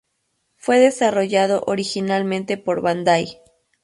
Fue desarrollado originalmente por Bandai.